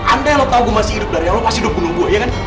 anda yang tahu gue masih hidup dari awal pasti hidup di gunung saya